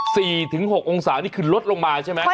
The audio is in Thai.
เดี๋ยวนะ๔๖องศานี่คือลดลงมาใช่ไหม